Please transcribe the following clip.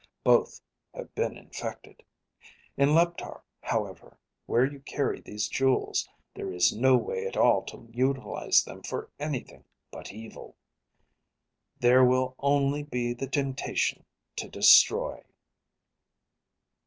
Both have been infected. In Leptar, however, where you carry these jewels, there is no way at all to utilize them for anything but evil. There will only be the temptation to destroy."